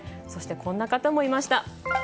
そして、こんな方もいました。